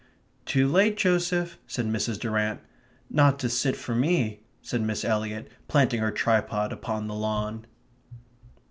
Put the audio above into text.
"Too late, Joseph," said Mrs. Durrant. "Not to sit for me," said Miss Eliot, planting her tripod upon the lawn.